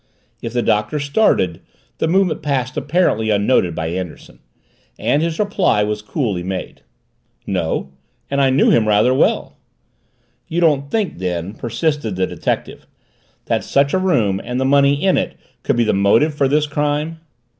If the Doctor started, the movement passed apparently unnoted by Anderson. And his reply was coolly made. "No and I knew him rather well." "You don't think then," persisted the detective, "that such a room and the money in it could be the motive for this crime?"